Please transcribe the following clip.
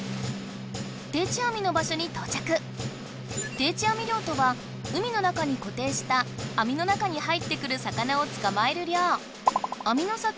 定置網漁とは海の中にこていした網の中に入ってくる魚をつかまえる漁。